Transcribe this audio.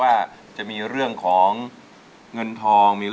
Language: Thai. แก้มขอมาสู้เพื่อกล่องเสียงให้กับคุณพ่อใหม่นะครับ